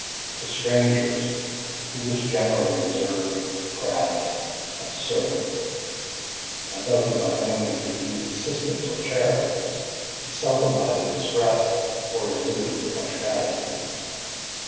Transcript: To strangers he was generally reserved, crabbed, and surly; and though he by no means refused assistance or charity, he seldom either expressed or exhibited much gratitude.